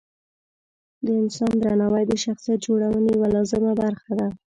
د انسان درناوی د شخصیت جوړونې یوه لازمه برخه ده.